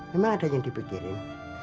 memang ada yang dipikirin